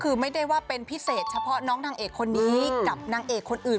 คือไม่ได้ว่าเป็นพิเศษเฉพาะน้องนางเอกคนนี้กับนางเอกคนอื่น